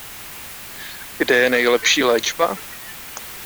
Kde je nejlepší léčba?